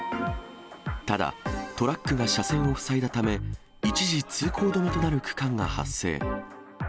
ただ、トラックが車線を塞いだため、一時通行止めとなる区間が発生。